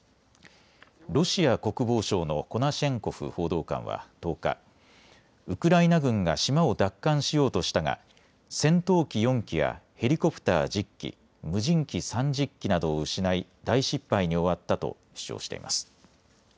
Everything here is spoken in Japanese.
ロシア国防省のコナシェンコフ報道官は１０日、ウクライナ軍が島を奪還しようとしたが戦闘機４機やヘリコプター１０機、無人機３０機などを失い大失敗に終わったと主張しています。